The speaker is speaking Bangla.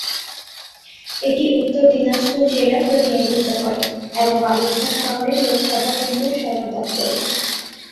এটি উত্তর দিনাজপুর জেলা প্রতিনিধিত্ব করে এবং বালুরঘাট শহরে লোকসভা কেন্দ্রের সদর দফতর।